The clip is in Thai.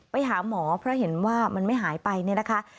ไปหาหมอเพราะเห็นว่ามันไม่หายไปเนี่ยนะคะ